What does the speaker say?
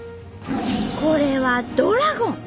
これは「ドラゴン」。